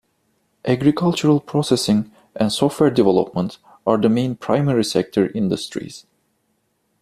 Agricultural processing and software development are the main primary-sector industries.